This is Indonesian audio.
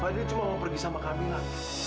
fadil cuma mau pergi sama kamila